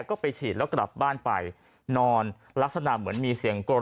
ก็ไปฉีดแล้วกลับบ้านไปนอนลักษณะเหมือนมีเสียงกรน